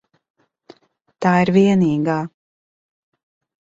Tā ir vienīgā.